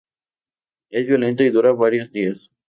Es violento y dura varios días.